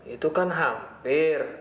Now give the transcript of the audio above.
itu kan hampir